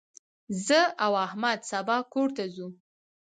زه او احمد سبا کور ته ځو.